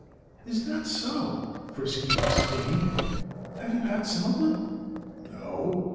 "Is that so?" Frisky exclaimed. "Have you had some of them?" "No!